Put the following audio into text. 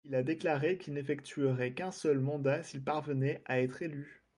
Il a déclaré qu'il n'effectuerait qu'un seul mandat s'il parvenait à être élu.